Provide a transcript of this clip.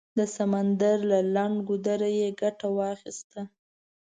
د سمندر له لنډ ګودره یې ګټه واخیسته.